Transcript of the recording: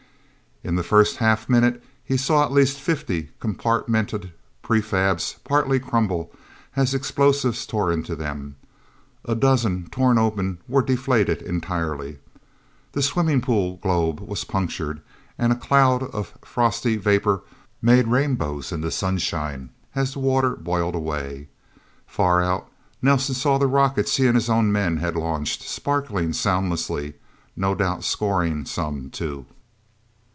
In the first half minute, he saw at least fifty compartmented prefabs partly crumple, as explosives tore into them. A dozen, torn open, were deflated entirely. The swimming pool globe was punctured, and a cloud of frosty vapor made rainbows in the sunshine, as the water boiled away. Far out, Nelsen saw the rockets he and his own men had launched, sparkling soundlessly, no doubt scoring, some, too.